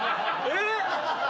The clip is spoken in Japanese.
えっ！？